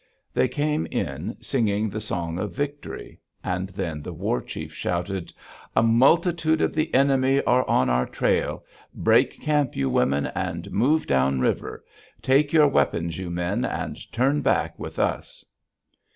They came in singing the song of victory; and then the war chief shouted: "A multitude of the enemy are on our trail. Break camp, you women, and move down river. Take your weapons, you men, and turn back with us!"